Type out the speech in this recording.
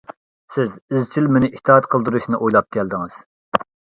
سىز ئىزچىل مېنى ئىتائەت قىلدۇرۇشنى ئويلاپ كەلدىڭىز.